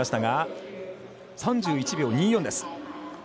３１秒２４です。